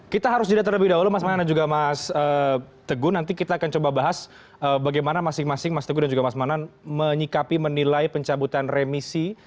kita harus jeda terlebih dahulu mas manan dan juga mas teguh nanti kita akan coba bahas bagaimana masing masing mas teguh dan juga mas manan menyikapi menilai pencabutan remisi